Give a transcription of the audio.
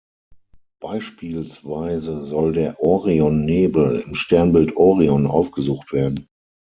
Beispielsweise soll der Orionnebel im Sternbild Orion aufgesucht werden.